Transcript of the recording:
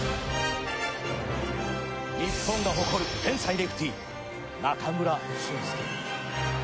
日本が誇る天才レフティー中村俊輔。